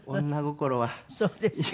そうですか。